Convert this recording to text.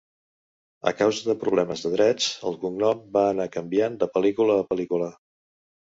A causa de problemes de drets, el cognom va anar canviant de pel·lícula a pel·lícula.